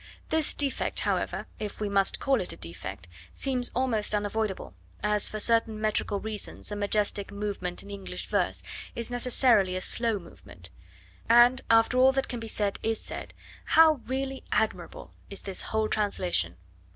This defect, however, if we must call it a defect, seems almost unavoidable, as for certain metrical reasons a majestic movement in English verse is necessarily a slow movement; and, after all that can be said is said, how really admirable is this whole translation!